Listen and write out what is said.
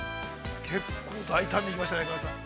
◆結構大胆に行きましたね川口さん。